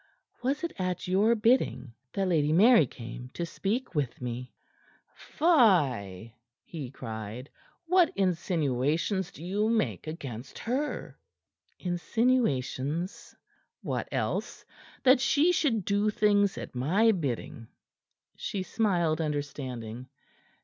"Was it at your bidding that Lady Mary came to speak with me?" "Fie!" he cried. "What insinuations do you make against her?" "Insinuations?" "What else? That she should do things at my bidding!" She smiled understanding.